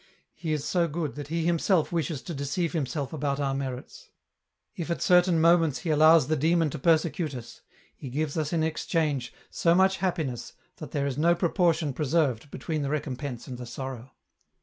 He is so good that He Himself wishes to deceive Himself about our merits. If at certain moments He allows the Demon to persecute us. He gives us in exchange so much happiness that there is no proportion preserved between the recompense and the sorrow.